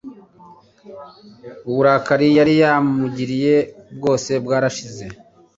uburakari yari yamugiriye bwose bwarashize